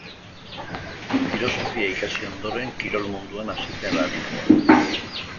Filosofia ikasi ondoren kirol munduan hasi zen lanean.